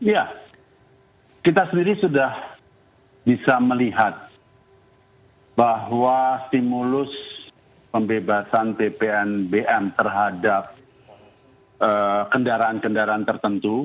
ya kita sendiri sudah bisa melihat bahwa stimulus pembebasan ppnbm terhadap kendaraan kendaraan tertentu